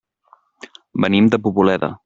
Venim de Poboleda.